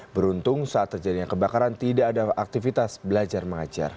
beruntung saat terjadinya kebakaran tidak ada aktivitas belajar mengajar